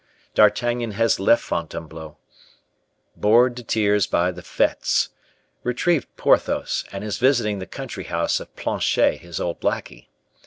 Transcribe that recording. D'Artagnan has left Fontainebleau, bored to tears by the fetes, retrieved Porthos, and is visiting the country house of Planchet, his old lackey.